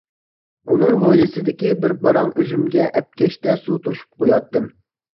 ئۇنىڭ ھويلىسىدىكى بىر باراڭ ئۈزۈمگە ئەپكەشتە سۇ توشۇپ قۇياتتىم.